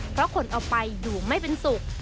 เพราะคนเอาไปอยู่ไม่เป็นสุข